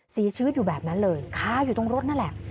เสียชีวิตอยู่แบบนั้นเลยคาอยู่ตรงรถนั่นแหละ